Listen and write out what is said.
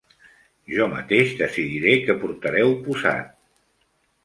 Jo mateix decidiré què portareu posat.